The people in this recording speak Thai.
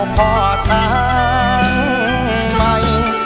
ขอทางใหม่